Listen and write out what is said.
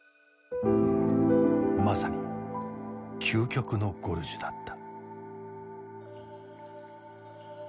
まさに究極のゴルジュだった。